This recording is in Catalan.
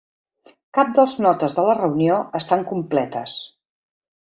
Cap dels notes de la reunió estan completes.